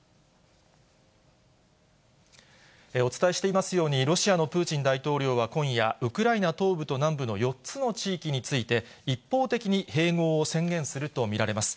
お伝えしていますように、ロシアのプーチン大統領は今夜、ウクライナ東部と南部の４つの地域について、一方的に併合を宣言すると見られます。